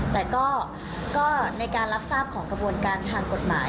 แต่ก็ในการรับทราบของกระบวนการทางกฎหมาย